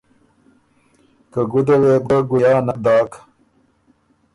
که ګُده وې بو ګۀ ګنیا نک داک۔